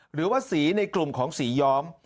หรือว่าสีในกลุ่มของสีย้อม